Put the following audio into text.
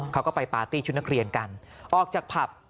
เขาก็ไปปาร์ตี้ชุดนักเรียนกันออกจากผับ